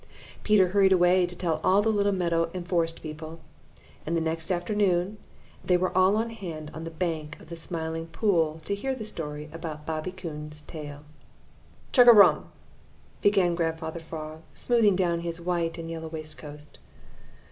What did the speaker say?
Peter hurried away to tell all the little meadow and forest people, and the next afternoon they were all on hand on the bank of the Smiling Pool to hear the story about Bobby Coon's tail. "Chug a rum!" began Grandfather Frog, smoothing down his white and yellow waistcoat.